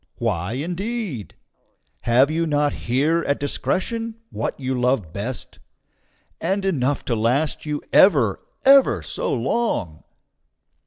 Why indeed? Have you not here at discretion what you love best, and enough to last you ever, ever so long?